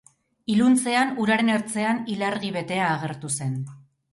Iluntzean uraren ertzean ilargi betea agertu zen.